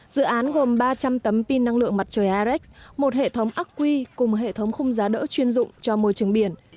dự án gồm ba trăm linh tấm pin năng lượng mặt trời irex một hệ thống aqui cùng hệ thống không giá đỡ chuyên dụng cho môi trường biển